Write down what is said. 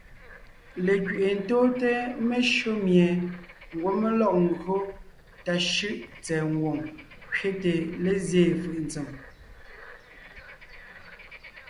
Lekẅi’i tóonte meshÿó mie ńgwɔ́ mé lɔg ńgÿo tà shʉ́ʼ tsɛ̀ɛ ngwòŋ kẅete lézyéen fʉʼ ntsèm.